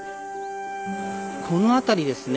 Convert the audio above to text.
この辺りですね